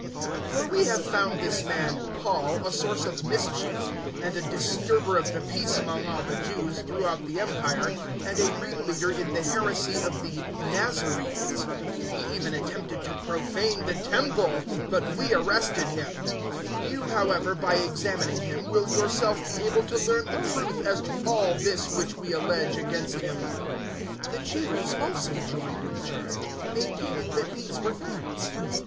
024:005 For we have found this man Paul a source of mischief and a disturber of the peace among all the Jews throughout the Empire, and a ringleader in the heresy of the Nazarenes. 024:006 He even attempted to profane the Temple, but we arrested him. 024:007 [] 024:008 You, however, by examining him, will yourself be able to learn the truth as to all this which we allege against him." 024:009 The Jews also joined in the charge, maintaining that these were facts.